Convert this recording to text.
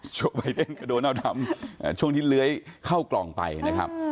โชคไบเต้นก็โดนเอาทำช่วงที่เล้ยเข้ากล่องไปนะครับ